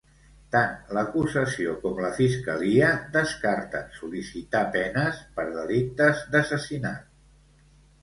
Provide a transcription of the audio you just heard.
Tant l'acusació com la Fiscalia descarten sol·licitar penes per delictes d'assassinat.